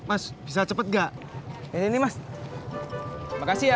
hai mas bisa cepet gak ini mas makasih ya